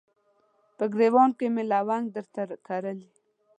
په ګریوان کې مې لونګ درته کرلي